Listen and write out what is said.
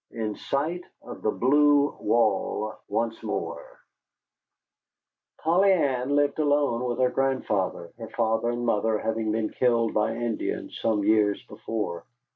IN SIGHT OF THE BLUE WALL ONCE MORE Polly Ann lived alone with her grandfather, her father and mother having been killed by Indians some years before.